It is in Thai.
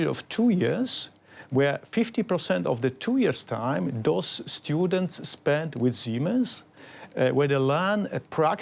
ในปี๒เป็น๕๐ของเวลาที่จะเอาไป